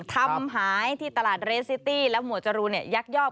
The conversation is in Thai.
ทำหายที่ตลาดเรซิตี้แล้วหมวดจรูนยักษ์ยอบ